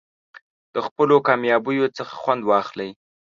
د خپلو کامیابیو څخه خوند واخلئ.